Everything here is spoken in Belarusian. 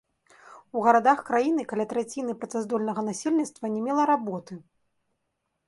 У гарадах краіны каля траціны працаздольнага насельніцтва не мела работы.